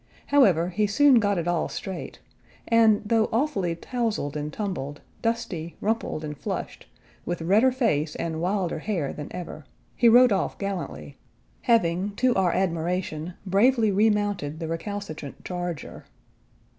However, he soon got it all straight, and, though awfully tousled and tumbled, dusty, rumpled, and flushed, with redder face and wilder hair than ever, he rode off gallantly, having to our admiration bravely remounted the recalcitrant charger.